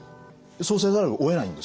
そうせざるをえないんですか？